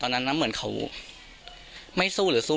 ช่วยเร่งจับตัวคนร้ายให้ได้โดยเร่ง